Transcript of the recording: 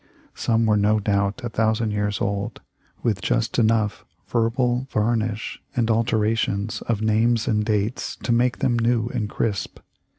Some were no doubt a thou sand years old, with just enough "verbal varnish" and alterations of names and dates to make them new and crisp.